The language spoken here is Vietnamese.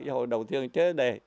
hồi đầu tiên chế đề